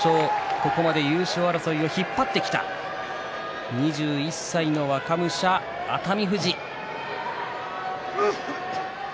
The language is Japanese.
ここまで優勝争いを引っ張ってきた２１歳の若武者、熱海富士。